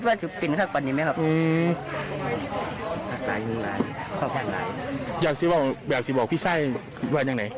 สุรครับหมาสุรครับดีครับก็คิด